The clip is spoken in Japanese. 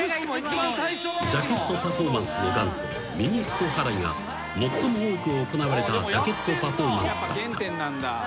［ジャケットパフォーマンスの元祖右裾払いが最も多く行われたジャケットパフォーマンスだった］